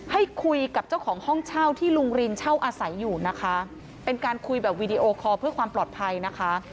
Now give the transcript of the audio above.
ให้คุยกับเจ้าของห้องเช่าที่ลุงรินเช่าอาศัยอยู่นะคะเป็นการคุยแบบวีดีโอคอร์เพื่อความปลอดภัยนะคะ